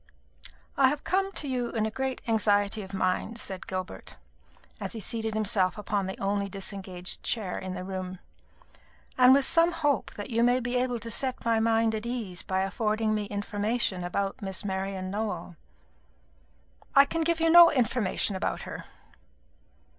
"I have come to you in great anxiety of mind," said Gilbert, as he seated himself upon the only disengaged chair in the room, "and with some hope that you may be able to set my mind at ease by affording me information about Miss Marian Nowell." "I can give you no information about her."